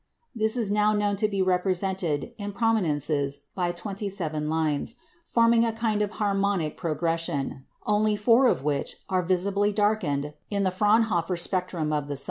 This is now known to be represented in prominences by twenty seven lines, forming a kind of harmonic progression, only four of which are visibly darkened in the Fraunhofer spectrum of the sun.